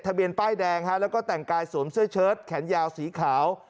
เบียนป้ายแดงแล้วก็แต่งกายสวมเสื้อเชิดแขนยาวสีขาว